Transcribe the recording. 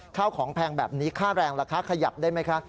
ข้าวของแพงแบบนี้ค่าแรงราคาขยับได้ไหมคะ